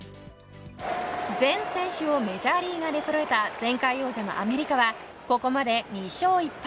全選手をメジャーリーガーで捉えた前回王者のアメリカはここまで２勝１敗。